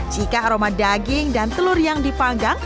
jika aroma daging dan telur yang dipanggang